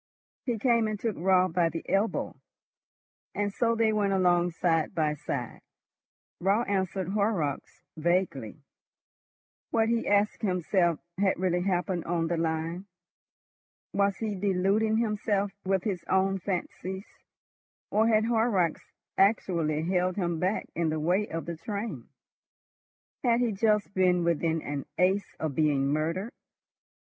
He came and took Raut by the elbow, and so they went along side by side. Raut answered Horrocks vaguely. What, he asked himself, had really happened on the line? Was he deluding himself with his own fancies, or had Horrocks actually held him back in the way of the train? Had he just been within an ace of being murdered?